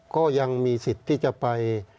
ก็ยังมีสิทธิ์ที่จะไป